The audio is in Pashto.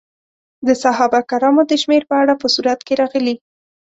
د صحابه کرامو د شمېر په اړه په سورت کې راغلي.